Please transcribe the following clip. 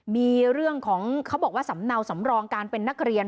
มีเรื่องของเขาบอกว่าสำเนาสำรองการเป็นนักเรียน